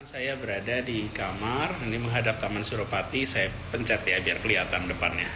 saya berada di kamar ini menghadap taman suropati saya pencet ya biar kelihatan depannya